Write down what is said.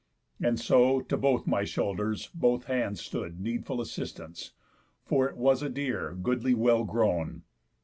And so, to both my shoulders, both hands stood Needful assistants; for it was a deer Goodly well grown.